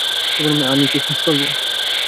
আমি কি খোঁজ করবো?